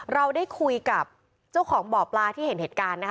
เราได้คุยกับเจ้าของบ่อปลาที่เห็นเหตุการณ์นะคะ